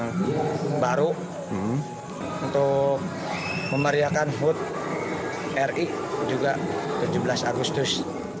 yang baru untuk memariakan hood r i juga tujuh belas agustus